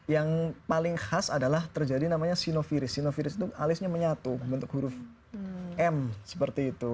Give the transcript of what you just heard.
yang paling khas adalah terjadi namanya sinophiri sinovirus itu alisnya menyatu membentuk huruf m seperti itu